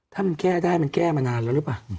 ถ้ามันแก้ได้มันแก้มานานแล้วหรือเปล่า